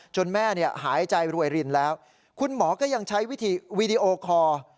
แม่หายใจรวยรินแล้วคุณหมอก็ยังใช้วิธีวีดีโอคอร์